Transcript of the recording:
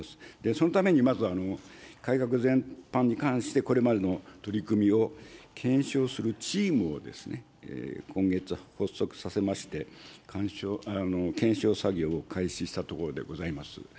そのために、まず改革全般に関して、これまでの取り組みを検証するチームを今月発足させまして、検証作業を開始したところでございます。